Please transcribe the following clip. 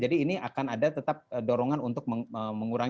jadi ini akan ada tetap dorongan untuk mengurangi peredaran uang